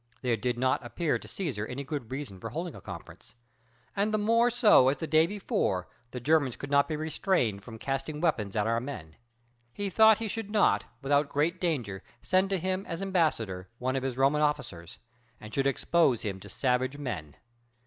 There did not appear to Cæsar any good reason for holding a conference; and the more so as the day before, the Germans could not be restrained from casting weapons at our men. He thought he should not without great danger send to him as ambassador one of his Roman officers, and should expose him to savage men.